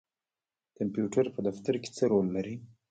کمپیوټر په دفتر کې څه رول لري؟